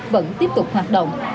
vẫn tiếp tục hoạt động